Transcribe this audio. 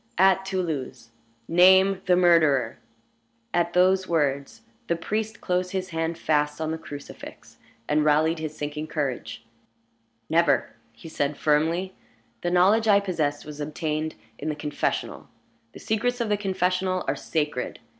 "At Toulouse." "Name the murderer." At those words the priest closed his hand fast on the crucifix, and rallied his sinking courage. "Never!" he said, firmly. "The knowledge I possess was obtained in the confessional. The secrets of the confessional are sacred.